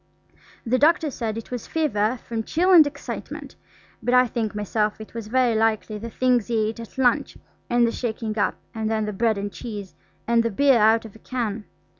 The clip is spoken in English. The doctor said it was fever from chill and excitement, but I think myself it was very likely the things he ate at lunch, and the shaking up, and then the bread and cheese; and the beer out of a can.